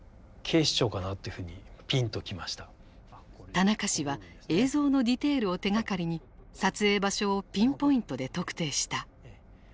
田中氏は映像のディテールを手がかりに撮影場所をピンポイントで特定した。